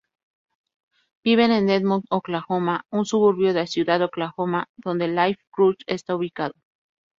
Viven en Edmond, Oklahoma, un suburbio de ciudad de Oklahoma, donde Life.Church está ubicada.